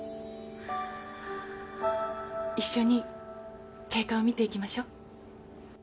一緒に経過を見ていきましょう。